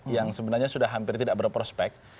yang sebenarnya sudah hampir tidak berprospek